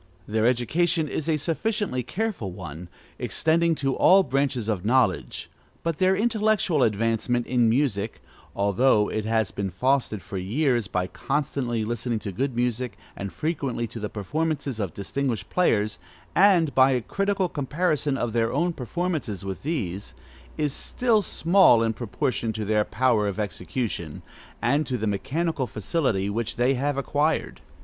Their education is a sufficiently careful one, extending to all branches of knowledge; but their intellectual advancement in music (although it has been fostered for years, by constantly listening to good music, and frequently to the performances of distinguished players, and by a critical comparison of their own performances with these) is still small in proportion to their power of execution, and to the mechanical facility which they have acquired.